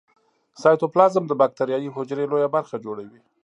سایتوپلازم د باکتریايي حجرې لویه برخه جوړوي.